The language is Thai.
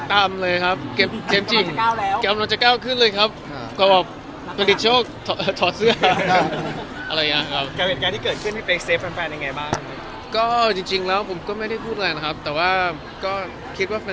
ด้วยเกิดขึ้นไหนก็จริงแล้วผมก็ไม่ได้พูดอะไรนะครับแต่ว่าก็คิดว่า